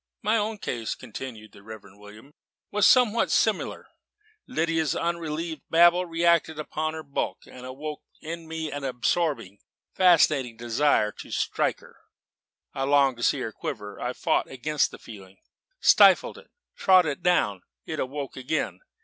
My own case," continued the Reverend William, "was somewhat similar. Lydia's unrelieved babble reacted upon her bulk, and awoke in me an absorbing, fascinating desire to strike her. I longed to see her quiver. I fought against the feeling, stifled it, trod it down: it awoke again.